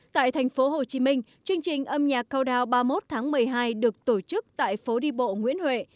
tại thành phố hồ chí minh chương trình âm nhạc cao đao ba mươi một tháng một mươi hai được tổ chức tại phố đi bộ nguyễn huệ